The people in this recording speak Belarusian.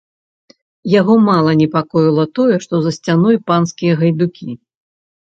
Яго мала непакоіла тое, што за сцяной панскія гайдукі.